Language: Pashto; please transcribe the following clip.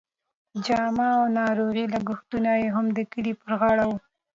جامه او ناروغۍ لګښتونه یې هم د کلي پر غاړه وو.